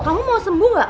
kamu mau sembuh gak